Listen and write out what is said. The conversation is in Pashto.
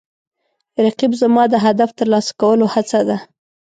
رقیب زما د هدف ترلاسه کولو هڅه ده